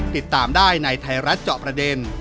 ติดตามได้ในไทยรัฐเจาะประเด็น